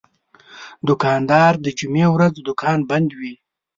دوکاندار د جمعې ورځ دوکان بندوي.